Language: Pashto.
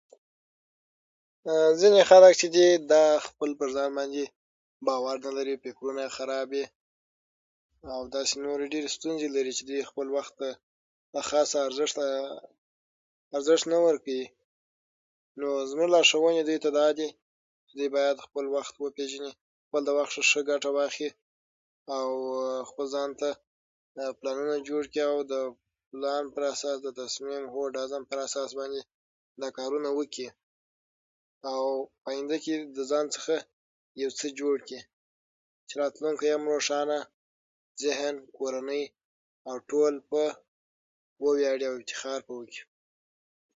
ځینې خلک چې دي، په خپل ځان باور نه لري، فکرونه یې خراب وي او داسې نورې ډېرې ستونزې لري او دا چې دوی خپل وخت ته کوم خاص ارزښت نه ورکوي؛ او زموږ لارښوونه دوی ته دا ده چې دوی باید خپل وخت وپېژني او له خپل وخت څخه ګټه واخلي او خپل ځان ته پلانونه جوړ کړي او د پلان پر اساس باندې دا کارونه وکړي او په آینده کې له ځان څخه څه جوړ کړي او په راتلونکي کې روښانه ذهن، کورنۍ او ټول پرې وویاړي او افتخار پرې وکړي.